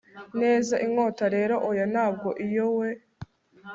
Neza inkota rero oya ntabwo iyo we